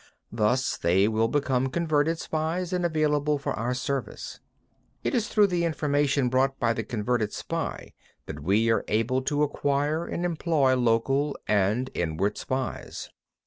Thus they will become converted spies and available for our service. 22. It is through the information brought by the converted spy that we are able to acquire and employ local and inward spies.